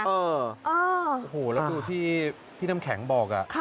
แล้วดูที่พี่น้ำแข็งบอก